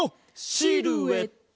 シルエット！